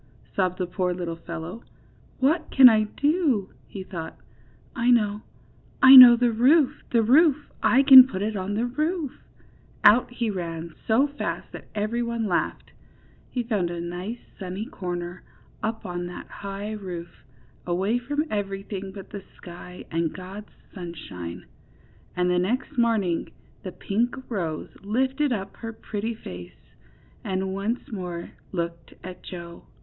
sobbed the poor little fellow. ^^What can I do?" he thought. know; I know — the roof! the roof! I can put it on the roof !" Out he ran, so fast that every one laughed. He found a nice sunny corner up on that high roof, away from everything but the sky and God's sunshine, and the next morning the pink rose lifted up her pretty face, and once more looked at Joe.